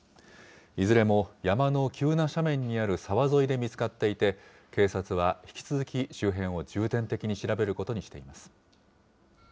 いずれも山の急な斜面にある沢沿いで見つかっていて、警察は引き続き周辺を重点的に調べることにしています。